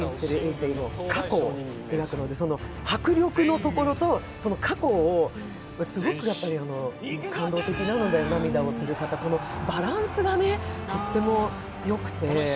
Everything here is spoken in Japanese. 政の過去を描くので迫力のところと過去をすごくやっぱり感動的なので涙をする方、このバランスがとてもよくて。